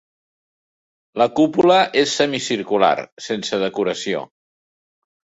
La cúpula és semicircular, sense decoració.